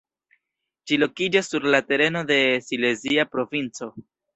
Ĝi lokiĝas sur la tereno de Silezia Provinco.